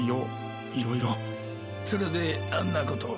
それであんなことを。